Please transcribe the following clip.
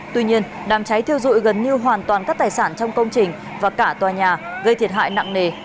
tuy nhiên đám cháy thiêu dụi gần như hoàn toàn các tài sản trong công trình và cả tòa nhà gây thiệt hại nặng nề